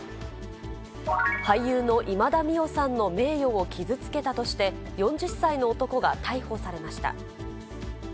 俳優の今田美桜さんの名誉を傷つけたとして、４０歳の男が逮捕されました。